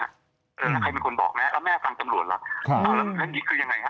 แล้วใครเป็นคนบอกแม่แล้วแม่ฟังตำรวจแล้วเรื่องนี้คือยังไงฮะ